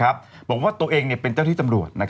บอกว่าตัวเองเป็นเจ้าที่ตำรวจ